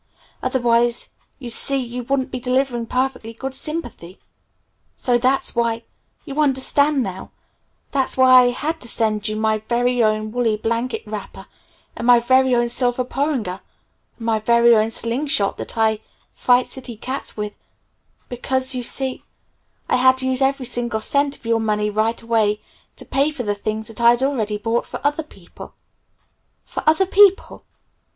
Otherwise, you see you wouldn't be delivering perfectly good sympathy. So that's why you understand now that's why I had to send you my very own woolly blanket wrapper, and my very own silver porringer, and my very own sling shot that I fight city cats with, because, you see, I had to use every single cent of your money right away to pay for the things that I'd already bought for other people." "For other people?"